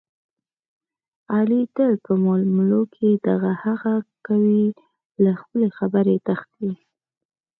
علي تل په معاملو کې دغه هغه کوي، له خپلې خبرې تښتي.